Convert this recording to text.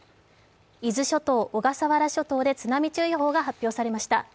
伊豆諸島、小笠原諸島で津波注意報が発表されました。